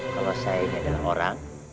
kalau saya ini adalah orang